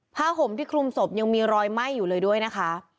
ห่มที่คลุมศพยังมีรอยไหม้อยู่เลยด้วยนะคะ